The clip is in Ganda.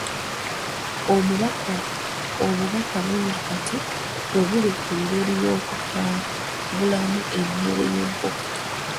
Obubaka bungi kati weebuli ku ngeri y'okutabulamu emmere y'enkoko.